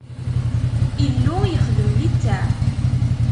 Illu yexdem litteɛ.